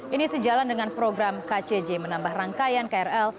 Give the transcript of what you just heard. ini sejalan dengan program kcj menambah rangkaian krl